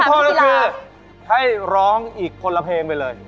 โทษก็คือให้ร้องอีกคนละเพลงไปเลย